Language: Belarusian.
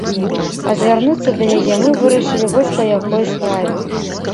А звярнуцца да яе мы вырашылі вось па якой справе.